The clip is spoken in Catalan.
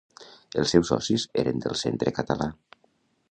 Els seus socis eren del Centre Català.